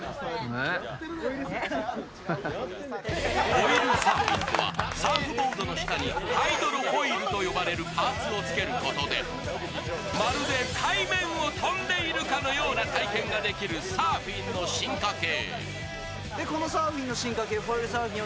フォイルサーフィンとはサーフボードの下にハイドロフォイルと呼ばれるパーツをつけることでまるで海面を飛んでいるかのような体験ができるサーフィンの進化形。